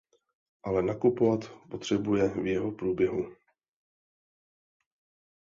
Ale nakupovat potřebuje v jeho průběhu.